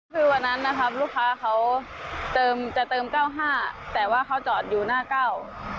คือวันนั้นนะครับลูกค้าเขาเติมจะเติมเก้าห้าแต่ว่าเขาจอดอยู่หน้าเก้า